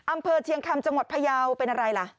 อำเภอเชียงคำจังหวัดพยาวเป็นอะไรล่ะ